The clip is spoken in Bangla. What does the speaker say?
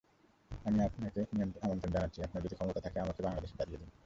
আমি আপনাকে আমন্ত্রণ জানাচ্ছি, আপনার যদি ক্ষমতা থাকে আমাকে বাংলাদেশে তাড়িয়ে দিন।